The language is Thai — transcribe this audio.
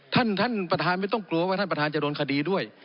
ท่านประธานไม่ต้องกลัวว่าท่านประธานจะโดนคดีด้วย